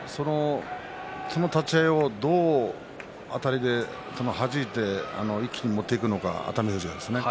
その立ち合いをどうあたりではじいて一気に持っていくのか熱海富士がですね。